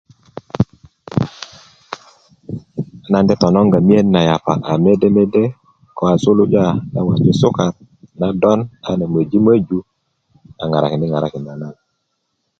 nan de tnnoŋga miyen na yapa a mede mede ko a suluja do waju sukar nadon a do möji' möju a ŋarakinidi' ŋarakinda na do